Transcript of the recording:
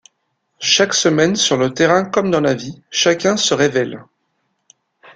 Chaque semaine, sur le terrain comme dans la vie, chacun se révèle.